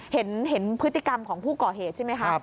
เห็นพฤติกรรมของผู้ก่อเหตุใช่ไหมคะ